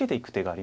あ。